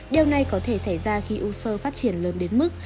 điều này có thể xảy ra khi u sơ phát triển lớn đến mức